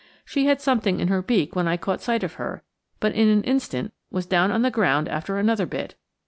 She had something in her beak when I caught sight of her, but in an instant was down on the ground after another bit.